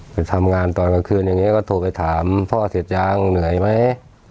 ไปทำงานตอนกลางคืนอย่างนี้ก็โทรไปถามพ่อเสร็จยังเหนื่อยไหม